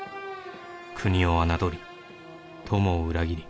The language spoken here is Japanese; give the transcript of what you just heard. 「国を侮り友を裏切り」